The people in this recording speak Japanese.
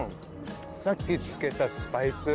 さっき付けたスパイス。